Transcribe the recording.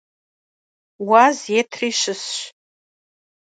Уаз етри щысщ.